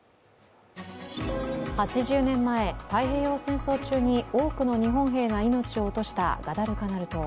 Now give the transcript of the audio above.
８０年前、太平洋戦争中に多くの日本兵が命を落としたガダルカナル島。